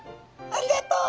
「ありがとう」？